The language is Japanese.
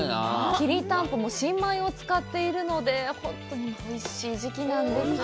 きりたんぽも新米を使っているので、本当においしい時期なんですよ。